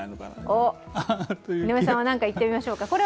井上さん、何か言ってみましょうか。